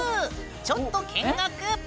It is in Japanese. ちょっと見学。